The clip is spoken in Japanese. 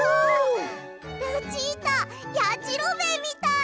ルチータやじろべえみたい！